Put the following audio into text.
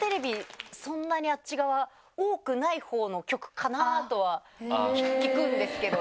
そんなにあっち側多くないほうの局かなとは聞くんですけど。